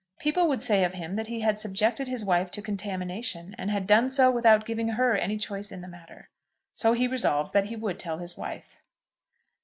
People would say of him that he had subjected his wife to contamination, and had done so without giving her any choice in the matter. So he resolved that he would tell his wife.